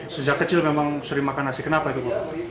sejak kecil memang sering makan nasi kenapa itu bu